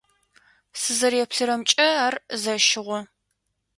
Сызэреплъырэмкӏэ ар зэщыгъо.